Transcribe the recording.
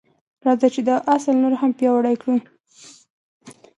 راځئ چې دا اصل نور هم پیاوړی کړو.